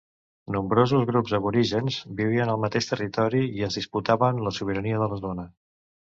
Nombrosos grups aborígens vivien al mateix territori i es disputaven la sobirania de la zona.